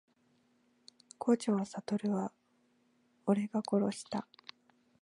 五条悟は俺が殺した…